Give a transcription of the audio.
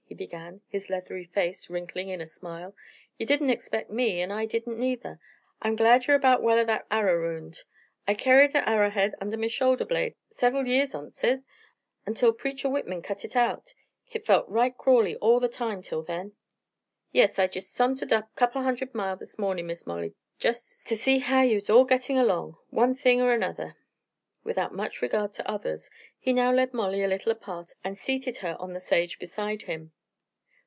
he began, his leathery face wrinkling in a smile. "Ye didn't expect me, an' I didn't neither. I'm glad ye're about well o' that arrer wound. I kerried a arrerhead under my shoulder blade sever'l years oncet, ontel Preacher Whitman cut hit out. Hit felt right crawly all the time till then. "Yes, I jest sorntered up couple hundred mile this mornin', Miss Molly, ter see how ye all was gettin' along one thing er another." Without much regard to others, he now led Molly a little apart and seated her on the sage beside him.